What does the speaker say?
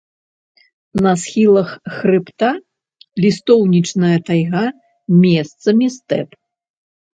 На схілах хрыбта лістоўнічная тайга, месцамі стэп.